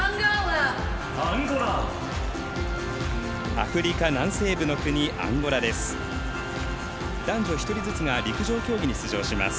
アフリカ南西部の国アンゴラです。